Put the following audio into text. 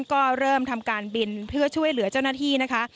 ก็เริ่มทำการบินเพื่อช่วยเหลือเจ้าหน้าที่นะคะ